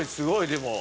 でも。